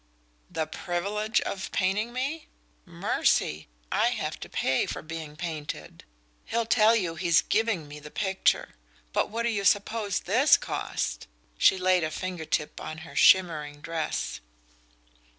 "The privilege of painting me? Mercy, I have to pay for being painted! He'll tell you he's giving me the picture but what do you suppose this cost?" She laid a finger tip on her shimmering dress.